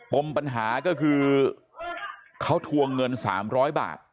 ปมปัญหาก็คือเขาทวงเงิน๓๐๐บาท